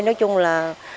nói chung là